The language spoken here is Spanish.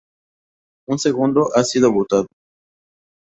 Un segundo ha sido botado.